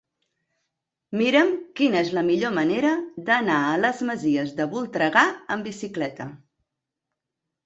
Mira'm quina és la millor manera d'anar a les Masies de Voltregà amb bicicleta.